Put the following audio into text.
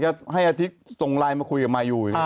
จะให้อาทิกส่งไลน์มาคุยกับมายู